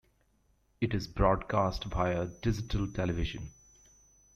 It is broadcast via digital television.